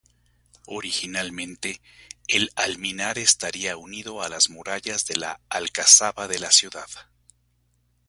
Originalmente, el alminar estaría unido a las murallas de la alcazaba de la ciudad.